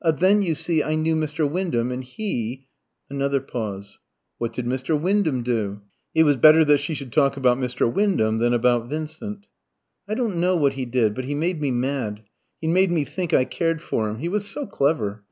"Then, you see, I knew Mr. Wyndham, and he " Another pause. "What did Mr. Wyndham do?" It was better that she should talk about Mr. Wyndham than about Vincent. "I don't know what he did, but he made me mad; he made me think I cared for him. He was so clever.